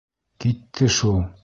— Китте шул.